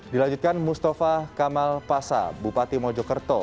dilanjutkan mustafa kamal pasa bupati mojokerto